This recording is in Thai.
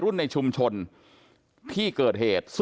ตรงนี้คือหน้านี้เข้าไปในซอย